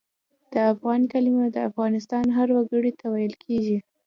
د افغان کلمه د افغانستان هر وګړي ته ویل کېږي.